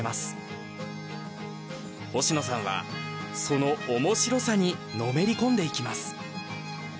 星野さんはその面白さにのめり込んでいきます。